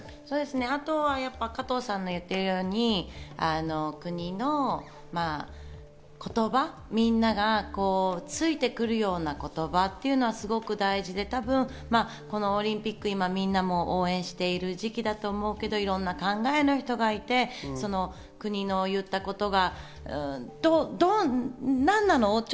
あとは加藤さんが言ってるように、国の言葉、皆がついてくるような言葉っていうのはすごく大事で、このオリンピック、今みんなも応援してる時期だと思うけど、いろんな考えの人がいて、国の言ったことが何なの？